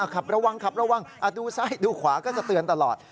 ขับระวังขับระวังดูซ้ายดูขวาก็จะเตือนตลอด